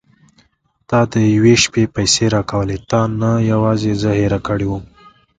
تا د یوې شپې پيسې راکولې تا نه یوازې زه هېره کړې وم.